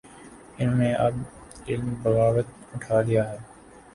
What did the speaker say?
انہوں نے اب علم بغاوت اٹھا لیا ہے۔